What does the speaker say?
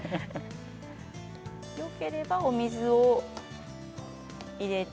よければ、お水を入れて。